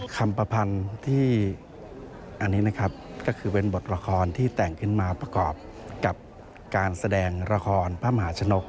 คำประพันธ์ที่อันนี้นะครับก็คือเป็นบทละครที่แต่งขึ้นมาประกอบกับการแสดงละครพระมหาชนก